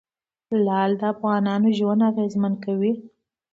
لعل د افغانانو ژوند اغېزمن کوي.